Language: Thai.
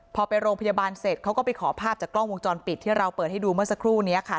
พอไปโรงพยาบาลเสร็จเขาก็ไปขอภาพจากกล้องวงจรปิดที่เราเปิดให้ดูเมื่อสักครู่นี้ค่ะ